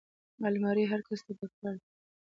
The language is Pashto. الماري هر کس ته پکار ده